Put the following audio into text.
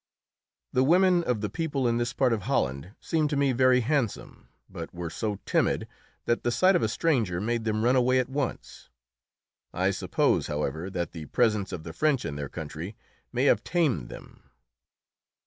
The women of the people in this part of Holland seemed to me very handsome, but were so timid that the sight of a stranger made them run away at once. I suppose, however, that the presence of the French in their country may have tamed them.